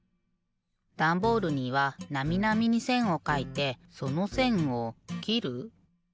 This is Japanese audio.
ダンボールにはなみなみにせんをかいてそのせんをきる。